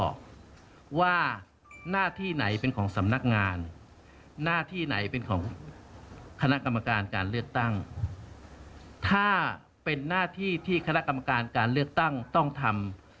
การการเลือกตั้งต้องทำ